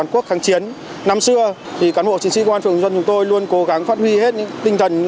quốc kháng chiến năm xưa cán bộ chính sĩ quân phường chúng tôi luôn cố gắng phát huy hết tinh thần